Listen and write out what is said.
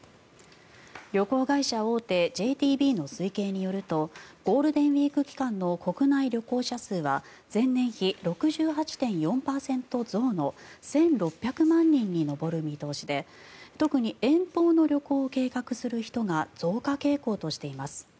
旅行会社大手ＪＴＢの推計によるとゴールデンウィーク期間の国内旅行者数は前年比６８．４％増の１６００万人に上る見通しで特に遠方の旅行を計画する人が増加傾向としています。